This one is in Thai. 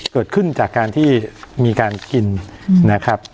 เกิดขึ้นจากการที่มีการกินนะครับ